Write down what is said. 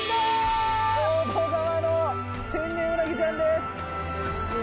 淀川の天然ウナギちゃんです。